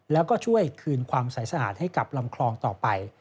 แล้วก็ช่วยคืนความใสสะอาดให้กับลำคลองต่อไป